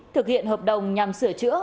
thực hiện hợp đồng nhằm sửa chữa